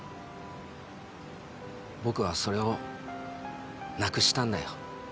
僕はそれをなくしたんだよ。